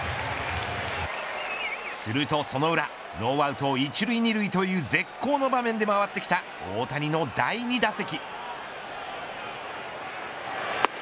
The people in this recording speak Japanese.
するとその裏、ノーアウト１塁２塁という絶好の場面で回ってきた大谷の第２打席。